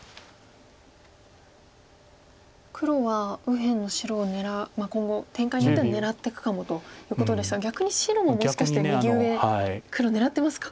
黒は右辺の白を今後展開によっては狙っていくかもということでしたが逆に白ももしかして右上黒を狙ってますか？